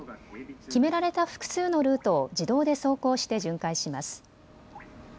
決められた複数のルートを自動で走行して巡回します。